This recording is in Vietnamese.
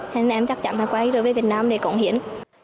nên em chắc chắn là quay trở về việt nam để cộng hiến